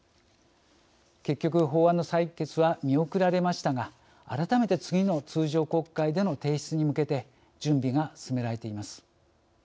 結局法案の採決は見送られましたが改めて次の通常国会での提出に向けて準備が進められています。